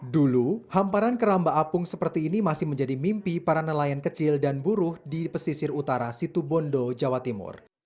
dulu hamparan keramba apung seperti ini masih menjadi mimpi para nelayan kecil dan buruh di pesisir utara situbondo jawa timur